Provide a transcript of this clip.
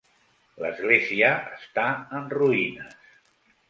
L'església està en ruïnes.